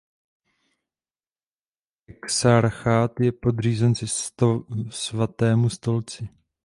Exarchát je podřízen svatému stolci.